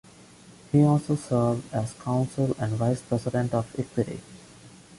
He also served as council and vice-president of Equity.